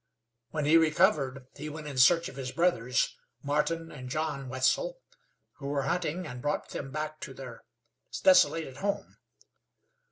When he recovered he went in search of his brothers, Martin and John Wetzel, who were hunting, and brought them back to their desolated home.